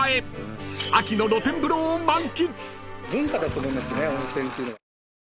［秋の露天風呂を満喫］